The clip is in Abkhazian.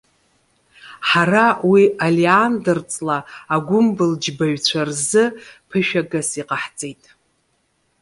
Ҳара уи Олеандр ҵла, агәымбылџьбаҩцәа рзы ԥышәагас иҟаҳҵеит.